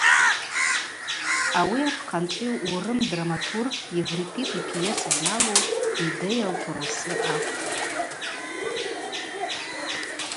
Ауи апхъанчӏви урым драматург Еврипид йпьеса йалу Медея лтурасы акӏвпӏ.